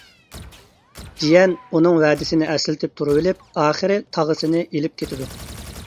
جىيەن ئۇنىڭ ۋەدىسىنى ئەسلىتىپ تۇرۇۋېلىپ، ئاخىرى تاغىسىنى ئېلىپ كېتىدۇ.